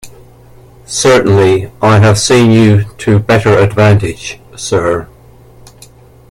Certainly I have seen you to better advantage, sir.